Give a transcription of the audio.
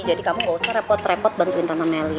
jadi kamu ga usah repot repot bantuin tante melly